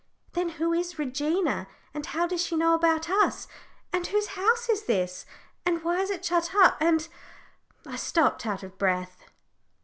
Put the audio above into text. Then, who is Regina? and how does she know about us? and whose house is this? and why is it shut up? and " I stopped, out of breath.